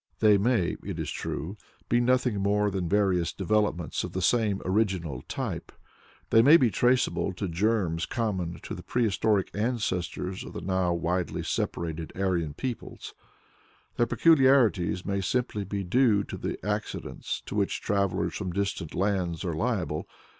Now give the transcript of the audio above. They may, it is true, be nothing more than various developments of the same original type; they may be traceable to germs common to the prehistoric ancestors of the now widely separated Aryan peoples; their peculiarities may simply be due to the accidents to which travellers from distant lands are liable.